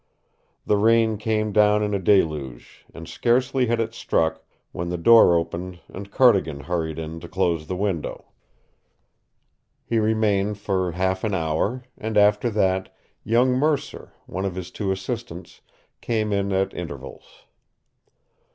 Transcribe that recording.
The rain came down in a deluge, and scarcely had it struck when the door opened and Cardigan hurried in to close the window. He remained for half an hour, and after that young Mercer, one of his two assistants, came in at intervals.